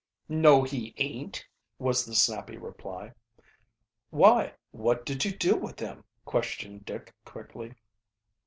"No, he ain't," was the snappy reply. "Why, what did you do with him?" questioned Dick quickly.